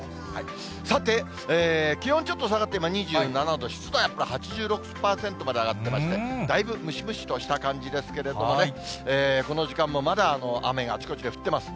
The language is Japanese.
さて、気温ちょっと下がって今２７度、湿度は８６％まで上がってまして、だいぶムシムシとした感じですけれどもね、この時間もまだ、雨があちこちで降っています。